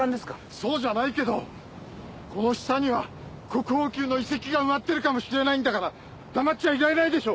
そうじゃないけどこの下には国宝級の遺跡が埋まってるかもしれないんだから黙っちゃいられないでしょ！